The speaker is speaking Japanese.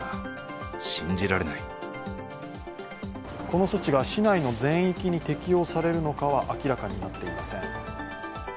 この措置が市内の全域に適用されるのかは明らかになっていません。